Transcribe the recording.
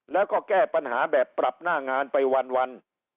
แล้วก็แก้ปัญหาแบบปรับหน้างานไปวัน